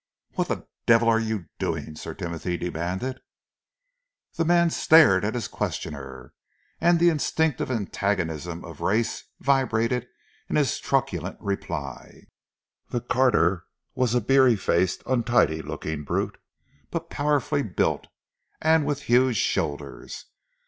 "What the devil are you doing?" Sir Timothy demanded. The man stared at his questioner, and the instinctive antagonism of race vibrated in his truculent reply. The carter was a beery faced, untidy looking brute, but powerfully built and with huge shoulders.